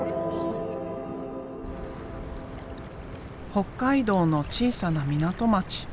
北海道の小さな港町。